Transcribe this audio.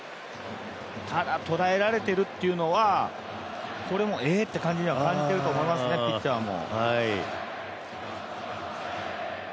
ただ捉えられているというのは、これはえ、という感じだと思いますねピッチャーも。